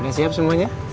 udah siap semuanya